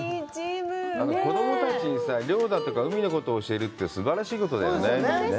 子供たちに漁だとか海のことを教えるってすばらしいことだよね。